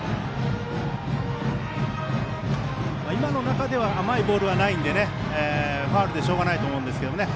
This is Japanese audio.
今の中では甘いボールはないのでファウルでしょうがないと思うんですけどね。